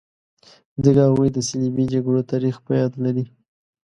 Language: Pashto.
ځکه هغوی د صلیبي جګړو تاریخ په یاد لري.